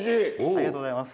ありがとうございます。